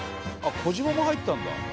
あっ小島も入ったんだ。